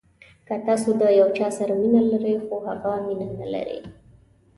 که تاسو د یو چا سره مینه لرئ خو هغه مینه نلري.